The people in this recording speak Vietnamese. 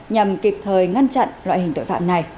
nhằm kịp thời ngăn chặn loại hình tội phạm này